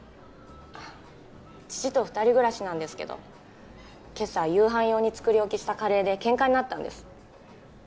あっ父と二人暮らしなんですけど今朝夕飯用に作り置きしたカレーでケンカになったんです